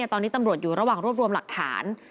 ตอนนี้ตำรวจอยู่ระหว่างรวบรวมหลักฐาน